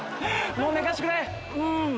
もう寝かしてくれ。